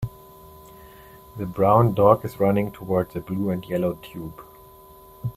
The brown dog is running towards a blue and yellow tube